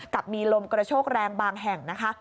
กับมีลมกระโชกแรงบางแห่งนะคะ